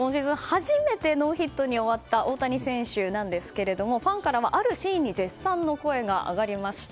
初めてノーヒットに終わった大谷選手なんですけれどもファンからは、あるシーンに絶賛の声が上がりました。